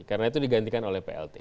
karena itu digantikan oleh plt